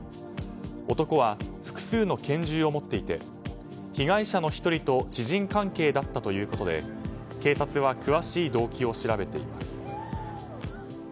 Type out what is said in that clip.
男は複数の拳銃を持っていて被害者の１人と知人関係だったということで警察は詳しい動機を調べています。